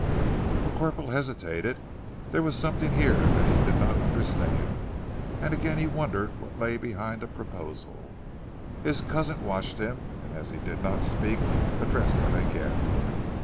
The corporal hesitated. There was something here that he did not understand, and again he wondered what lay behind the proposal. His cousin watched him, and as he did not speak, addressed him again.